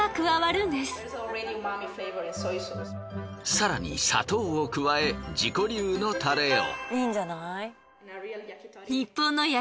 更に砂糖を加え自己流のタレを。